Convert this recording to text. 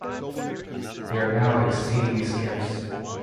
They are now exceedingly scarce.